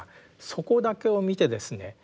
そこだけを見てですね